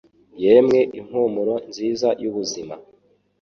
Yemwe impumuro nziza y'ubuzima